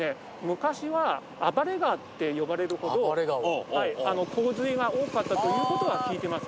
昔は「暴れ川」って呼ばれるほど洪水が多かったということは聞いてます。